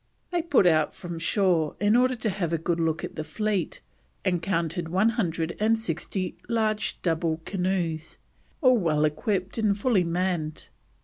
They put out from shore in order to have a good look at the fleet, and counted one hundred and sixty large double canoes, all well equipped and fully manned.